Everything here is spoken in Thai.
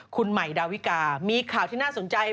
คุณใหม่ดาวิกามีข่าวที่น่าสนใจ